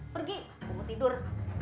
pergi mau tidur